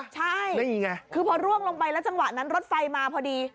ใช่นี่ไงคือพอร่วงลงไปแล้วจังหวะนั้นรถไฟมาพอดี